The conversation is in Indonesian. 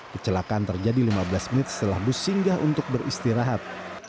kecelakaan terjadi lima belas menit setelah bus singgah untuk beristirahat